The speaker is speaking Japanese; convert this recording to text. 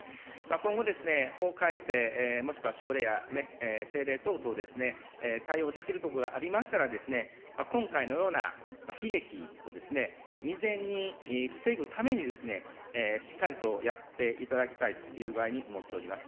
今後、法改正、もしくは省令や政令等々で対応できるところがありましたら、今回のような悲劇をですね、未然に防ぐためにですね、しっかりとやっていただきたいというぐあいに思っております。